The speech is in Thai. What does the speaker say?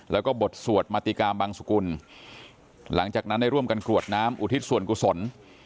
แล้วก็บทสวดมาติกาบังสุกุลหลังจากนั้นได้ร่วมกันกรวดน้ำอุทิศส่วนกุศล